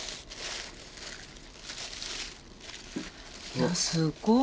いやすっごい。